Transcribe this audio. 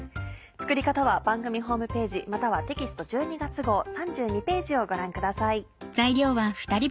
作り方は番組ホームページまたはテキスト１２月号３２ページをご覧ください。